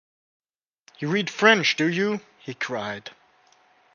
“You read French, do you?” he cried.